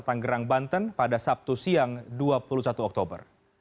tanggerang banten pada sabtu siang dua puluh satu oktober